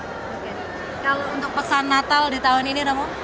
kalau untuk pesan natal di tahun ini namu